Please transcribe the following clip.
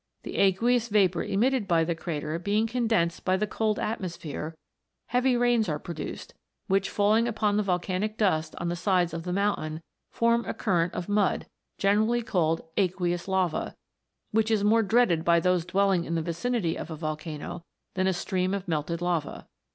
The aqueous vapour emitted by the crater being condensed by the cold atmosphere, heavy rains are produced, which, falling upon the volcanic dust on the sides of the mountain, form a current of mud, generally called aqueous lava, which is more dreaded by those dwelling in the vicinity of a volcano than a stream of melted lava.